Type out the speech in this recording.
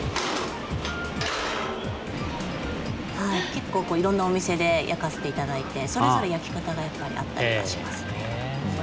結構いろんなお店で焼かせて頂いてそれぞれ焼き方がやっぱりあったりとかしますね。